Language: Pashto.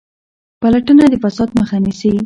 پلټنه د فساد مخه نیسي